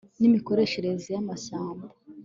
n imikoreshereze y amashyamba